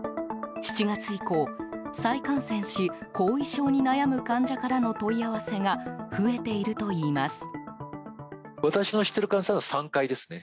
７月以降、再感染し後遺症に悩む患者からの問い合わせが増えているといいます。